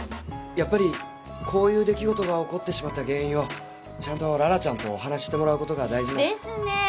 やっぱりこういう出来事が起こってしまった原因をちゃんと羅羅ちゃんとお話ししてもらうことが大事。ですねぇ。